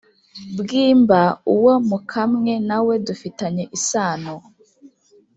Bwimba Uwo mukamwe nawe dufitanye isano